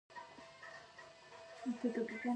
او چرته په دکن کښې دځانه ورک زلمي دزړه بړاس داسې وباسلے دے